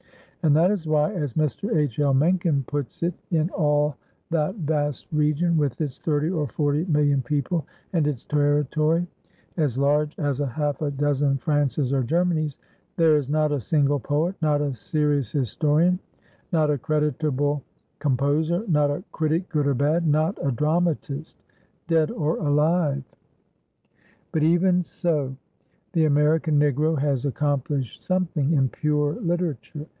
And that is why, as Mr. H. L. Mencken puts it, in all that vast region, with its thirty or forty million people and its territory as large as a half a dozen Frances or Germanys, there is not a single poet, not a serious historian, not a creditable composer, not a critic good or bad, not a dramatist dead or alive. But, even so, the American Negro has accomplished something in pure literature.